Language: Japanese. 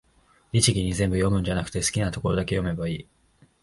律儀に全部読むんじゃなくて、好きなとこだけ読めばいい